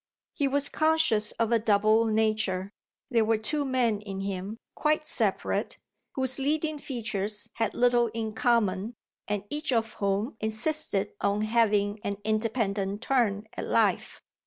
He was conscious of a double nature; there were two men in him, quite separate, whose leading features had little in common and each of whom insisted on having an independent turn at life.